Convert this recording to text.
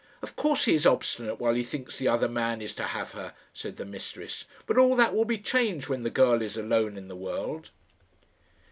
"Of course he is obstinate while he thinks the other man is to have her," said the mistress; "but all that will be changed when the girl is alone in the world."